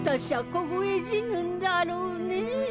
凍え死ぬんだろうねぇ。